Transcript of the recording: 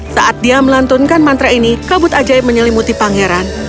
saat dia melantunkan mantra ini kabut ajaib menyelimuti pangeran